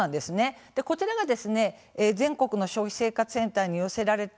こちらが全国の消費生活センターに寄せられた